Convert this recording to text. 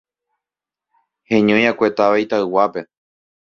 heñoi'akue táva Itauguápe